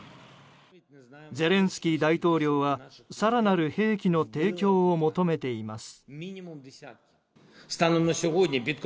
ゼレンスキー大統領は更なる兵器の提供を求めています。